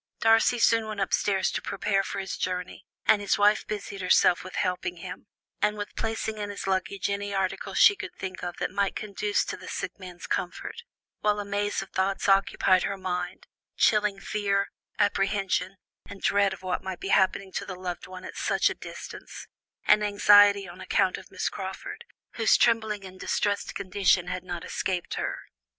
Darcy soon went upstairs to prepare for his journey, and his wife busied herself with helping him, and with placing in his luggage any article she could think of that might conduce to the sick man's comfort, while a maze of thoughts occupied her mind, chilling fear, apprehension, and dread of what might be happening to the loved friend at such a distance, and anxiety on account of Miss Crawford, whose trembling and distressed condition had not escaped her.